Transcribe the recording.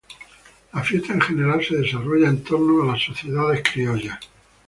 La fiesta en general se desarrolla en torno a las Sociedades Criollas.